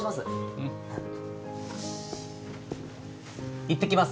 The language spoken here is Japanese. うん行ってきます